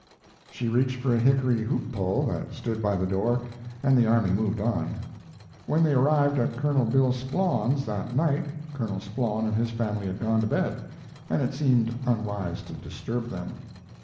She reached for a hickory hoop pole that stood by the door, and the army moved on. When they arrived at Col. Bill Splawn's that night Colonel Splawn and his family had gone to bed, and it seemed unwise to disturb them.